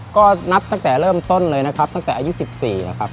ก็นับตั้งแต่เริ่มต้นเลยนะครับตั้งแต่อายุ๑๔แล้วครับ